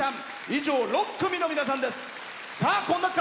以上、６組の皆さんです。